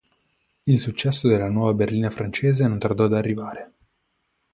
Il successo della nuova berlina francese non tardò ad arrivare.